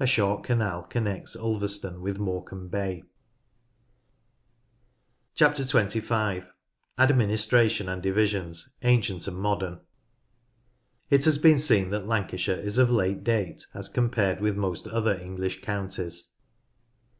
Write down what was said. A short canal connects Ulver ston with Morecambe Bay. 25. Administration and Divisions — Ancient and Modern. It has been seen that Lancashire is of late date as compared with most other English counties.